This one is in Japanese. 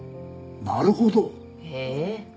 なるほどええー？